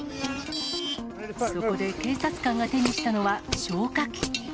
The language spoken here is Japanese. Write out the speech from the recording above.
そこで警察官が手にしたのは消火器。